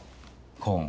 コーン。